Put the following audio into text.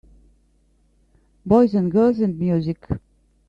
Boys and girls and music.